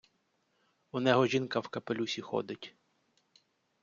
Унего жінка в капелюсі ходить.